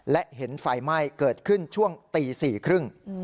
และเห็นไฟไหม้เกิดขึ้นช่วงตี๔๓๐